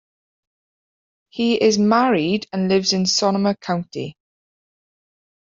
He is married and lives in Sonoma County.